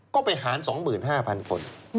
ก็ไปหารสองหมื่นห้าพันคน